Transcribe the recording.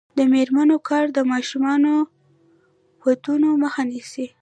د میرمنو کار د ماشوم ودونو مخه نیسي.